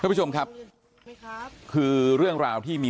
เชิงชู้สาวกับผอโรงเรียนคนนี้